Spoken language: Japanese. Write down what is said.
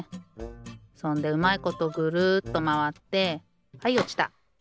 そんでうまいことぐるっとまわってはいおちた。